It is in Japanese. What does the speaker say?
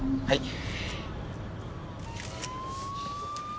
はい！